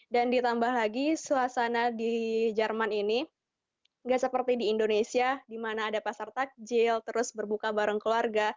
dan ditambah lagi suasana di jerman ini nggak seperti di indonesia di mana ada pasar takjil terus berbuka bareng keluarga